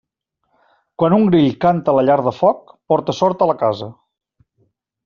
Quan un grill canta a la llar de foc, porta sort a la casa.